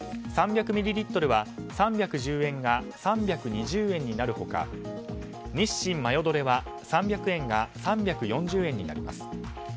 ３００ミリリットルは３１０円が３２０円になる他日清マヨドレは３００円が３４０円になります。